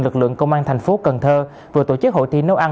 lực lượng công an thành phố cần thơ vừa tổ chức hội thi nấu ăn